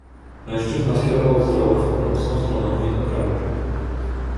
"Mężczyzna skierował wzrok w północną stronę widnokręgu."